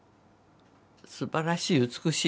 すばらしい美しいの。